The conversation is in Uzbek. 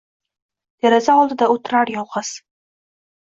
Deraza oldida o’ltirar yolg’iz.